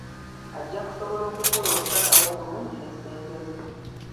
Ajja kusobola okukola okusalawo okulungi ne ssente ze.